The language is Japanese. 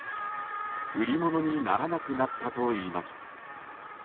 売り物にならなくなったといいます。